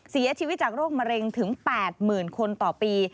เสียชีวิตจากโรคมะเร็งถึง๘๐๐๐คนต่อปี